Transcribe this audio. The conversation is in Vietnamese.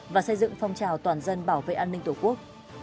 và xây dựng phong trào toàn dân bảo vệ an ninh tổ quốc